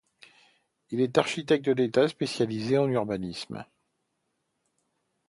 Il est architecte d’État spécialisé en urbanisme.